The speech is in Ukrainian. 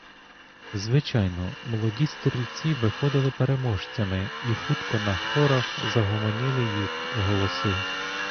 Звичайно, молоді стрільці виходили переможцями і хутко на хорах загомоніли їх голоси.